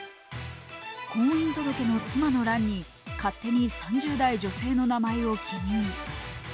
婚姻届の妻の欄に勝手に３０代女性の名前を記入。